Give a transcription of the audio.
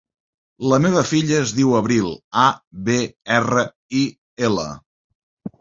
La meva filla es diu Abril: a, be, erra, i, ela.